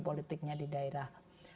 politiknya di daerah